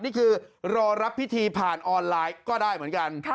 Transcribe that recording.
นี่คือรอรับพิธีผ่านออนไลน์ก็ได้เหมือนกัน